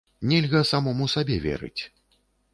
Нельга самому сабе верыць.